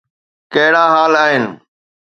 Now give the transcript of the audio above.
ڪهڙا حال آهن